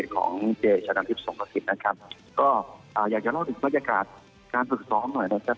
ก็อยากจะเล่าถึงบรรยากาศการฝึกซ้อมหน่อยนะครับ